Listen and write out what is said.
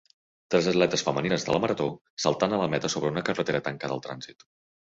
Tres atletes femenines de la marató, saltant a la meta sobre una carretera tancada al trànsit.